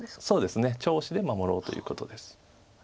そうですね調子で守ろうということです。